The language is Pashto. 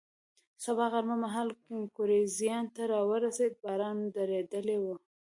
سبا غرمه مهال ګورېزیا ته را ورسېدو، باران درېدلی و.